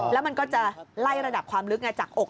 แล้วมันก็จะไล่ระดับความลึกจากอก